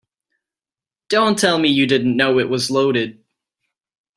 Don't tell me you didn't know it was loaded.